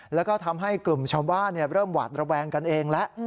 แล้วก็ทำให้กลุ่มชาวบ้านเริ่มหวาดระแวงกันเองแล้ว